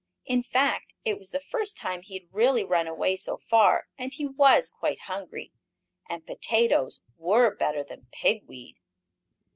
In fact it was the first time he had really run away so far, and he was quite hungry. And potatoes were better than pig weed.